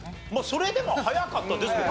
それでも早かったですけどね。